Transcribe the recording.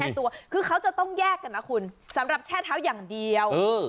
ตัวคือเขาจะต้องแยกกันนะคุณสำหรับแช่เท้าอย่างเดียวเออ